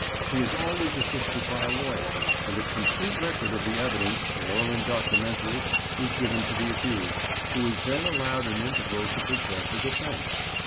He is always assisted by a lawyer, and a complete record of the evidence, oral and documentary, is given to the accused, who is then allowed an interval to prepare for defence.